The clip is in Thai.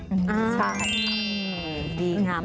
ใช่ดีมาก